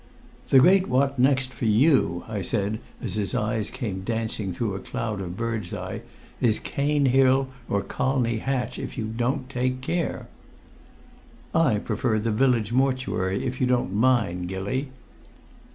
"The Great What Next for you," I said, as his eyes came dancing through a cloud of birdseye, "is Cane Hill or Colney Hatch, if you don't take care." "I prefer the Village mortuary, if you don't mind, Gilly."